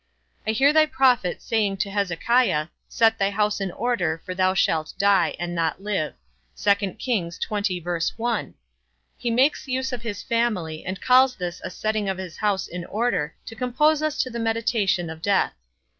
I hear thy prophet saying to Hezekiah, Set thy house in order, for thou shalt die, and not live: he makes use of his family, and calls this a setting of his house in order, to compose us to the meditation of death.